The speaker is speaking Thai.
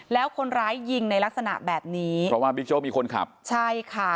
แล้วคนร้ายยิงในลักษณะแบบนี้เพราะว่าบิ๊กโจ๊กมีคนขับใช่ค่ะ